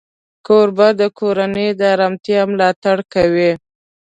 کوربه د کورنۍ د آرامتیا ملاتړ کوي.